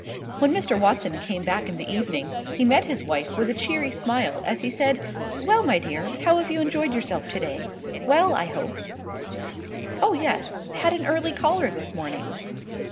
When Mr. Watson came back in the evening, he met his wife with a cheery smile as he said, "Well, my dear, how have you enjoyed yourself to day? Well, I hope?" "Oh, yes! had an early caller this morning."